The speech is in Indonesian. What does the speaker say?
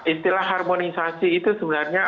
istilah harmonisasi itu sebenarnya